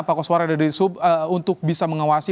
pak koswara dari sub untuk bisa mengawasi